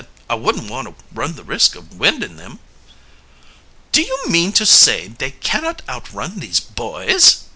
"I wouldn't want to run the risk of winding them." "Do you mean to say they cannot outrun these boys?"